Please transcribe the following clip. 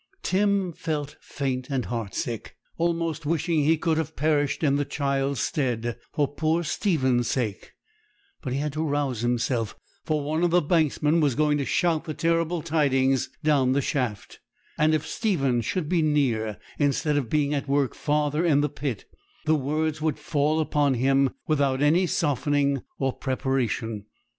Tim felt faint and heart sick, almost wishing he could have perished in the child's stead, for poor Stephen's sake; but he had to rouse himself, for one of the banksmen was going to shout the terrible tidings down the shaft; and if Stephen should be near, instead of being at work farther in the pit, the words would fall upon him without any softening or preparation.